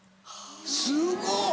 すごっ！